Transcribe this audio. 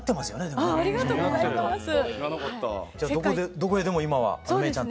どこへでも今はめーちゃんと。